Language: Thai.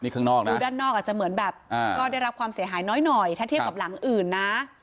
ดูด้านนอกอาจจะเหมือนแบบก็ได้รับความเสียหายน้อยถ้าเทียบกับหลังอื่นนะ